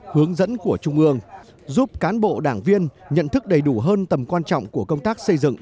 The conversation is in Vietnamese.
hướng dẫn của trung ương giúp cán bộ đảng viên nhận thức đầy đủ hơn tầm quan trọng của công tác xây dựng